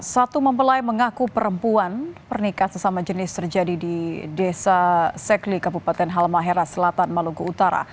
satu mempelai mengaku perempuan pernikahan sesama jenis terjadi di desa secli kabupaten halmahera selatan maluku utara